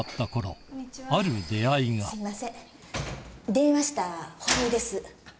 電話した堀江です。